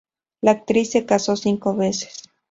La actriz se casó cinco veces.